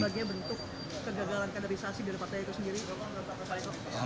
ini apa sebagian bentuk kegagalan kaderisasi dari partai itu sendiri